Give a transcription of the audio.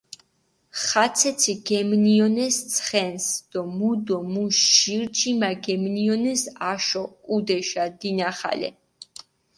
ხაცეცი გეგმეჸონეს ცხენს დო მუ დო მუში ჟირ ჯიმა გემნიჸონეს აშო, ჸუდეშა, დინახალე.